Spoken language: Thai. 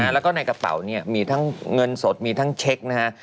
แล้วก็ในกระเป๋าเนี่ยมีทั้งเงินสดมีทั้งเช็คนะฮะ